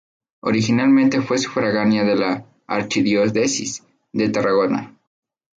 Originalmente fue sufragánea de la archidiócesis de Tarragona.